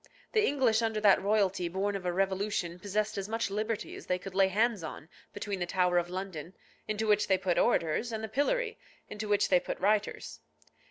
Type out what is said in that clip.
The English under that royalty born of a revolution possessed as much liberty as they could lay hands on between the Tower of London, into which they put orators, and the pillory, into which they put writers.